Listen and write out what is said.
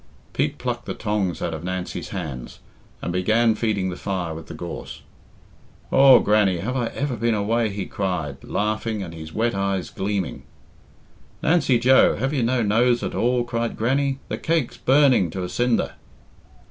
Pete plucked the tongs out of Nancy's hands, and began feeding the fire with the gorse. "Aw, Grannie, have I ever been away?" he cried, laughing, and his wet eyes gleaming. "Nancy Joe, have you no nose at all?" cried Grannie. "The cake's burning to a cinder."